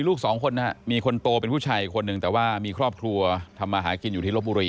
ลูกสองคนนะฮะมีคนโตเป็นผู้ชายอีกคนนึงแต่ว่ามีครอบครัวทำมาหากินอยู่ที่ลบบุรี